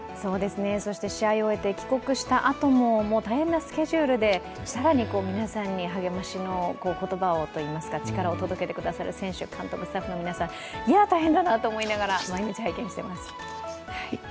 そして試合を終えて帰国したあとも大変なスケジュールで更に皆さんに励ましの言葉をといいますか、力を届けてくださる選手監督、スタッフの皆さん、大変だなと思いながら、毎日拝見しています。